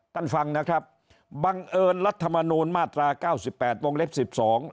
ท่านฟังนะครับบังเอิญรัฐมนูลมาตรา๙๘วงเล็ก๑๒